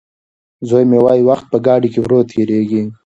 زوی مې وايي وخت په ګاډي کې ورو تېرېږي.